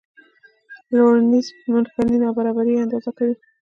لورینز منحني نابرابري اندازه کوي.